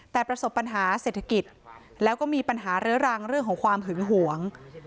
แต่ประสบปัญหาเศรษฐกิจแล้วก็มีปัญหาเรื้อรังเรื่องของความหึงหวง